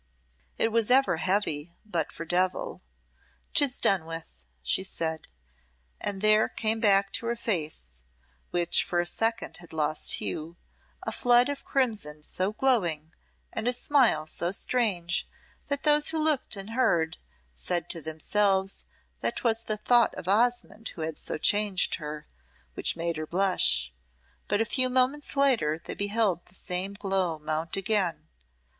"It was ever heavy but for Devil. 'Tis done with," she said; and there came back to her face which for a second had lost hue a flood of crimson so glowing, and a smile so strange, that those who looked and heard, said to themselves that 'twas the thought of Osmonde who had so changed her, which made her blush. But a few moments later they beheld the same glow mount again.